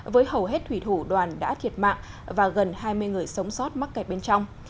với hầu hết thủy thủ đoàn đã thiệt mạng và gần hai mươi người sống sót mắc kẹt bên trong